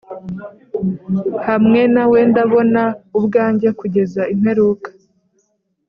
hamwe nawe ndabona ubwanjye kugeza imperuka.